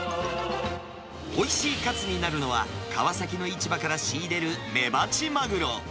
おいしいカツになるのは、川崎の市場から仕入れるメバチマグロ。